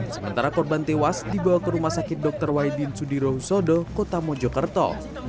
sementara korban tewas dibawa ke rumah sakit dr wahidin sudirohusodo kota mojokerto